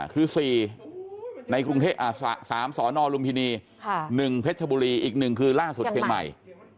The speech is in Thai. คือ๔ใน๓สนลุมพินี๑เพชรบุรีอีก๑คือล่าสุดเชียงใหม่